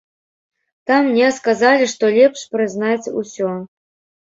Там мне сказалі, што лепш прызнаць усё.